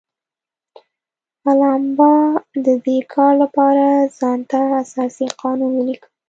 الاباما د دې کار لپاره ځان ته اساسي قانون ولیکه.